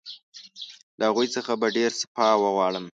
له هغوی څخه به ډېر سپاه وغواړم.